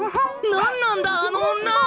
なんなんだあの女！？